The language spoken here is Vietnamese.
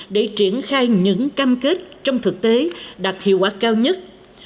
để triển khai những cam kết trong thực tế đạt hiệu quả cao nhất